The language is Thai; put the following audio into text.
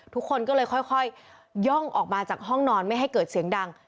ทุกคนก็เลยค่อยย่องออกมาจากห้องนอนไม่ให้เกิดเสียงดัง